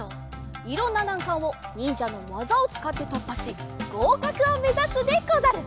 いろんななんかんをにんじゃのわざをつかってとっぱしごうかくをめざすでござる。